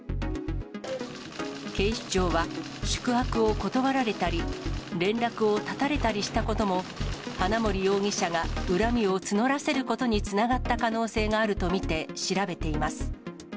警視庁は、宿泊を断られたり、連絡を断たれたりしたことも、花森容疑者が恨みを募らせることにつながった可能性があると見て調べています。